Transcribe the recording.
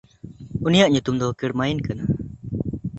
ᱩᱱᱤᱭᱟᱜ ᱧᱩᱛᱩᱢ ᱫᱚ ᱠᱮᱲᱢᱭᱤᱱ ᱠᱟᱱᱟ᱾